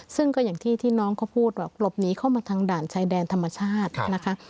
ซึ่งก็อย่างที่ที่น้องเขาพูดว่าหลบหนีเข้ามาทางด่านชายแดนธรรมชาตินะคะ